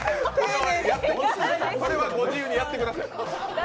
それはご自由にやってください。